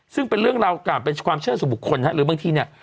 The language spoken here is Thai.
ซึ่งเป็นเรื่องราวกล่าวเป็นความเชื่อสู่บุคคลหรือบางทีเนี่ย